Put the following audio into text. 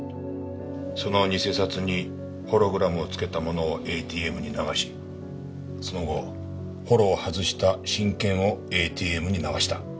その偽札にホログラムを付けたものをＡＴＭに流しその後ホロを外した真券をＡＴＭに流した。